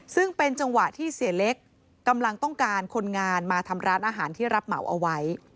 ซึ่งเป็นจังหวะที่เสียเล็กกำลังต้องการคนงานมาทำร้านอาหารที่รับเหมาเอาไว้